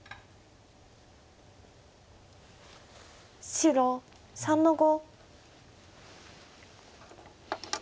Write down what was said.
白３の五。